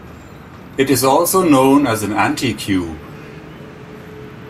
It is also known as an "anticube".